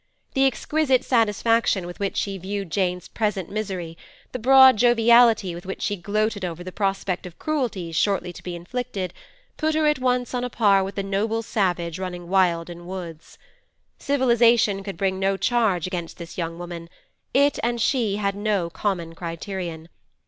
The exquisite satisfaction with which she viewed Jane's present misery, the broad joviality with which she gloated over the prospect of cruelties shortly to be inflicted, put her at once on a par with the noble savage running wild in woods. Civilisation could bring no charge against this young woman; it and she had no common criterion.